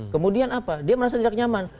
kemudian apa dia merasa tidak nyaman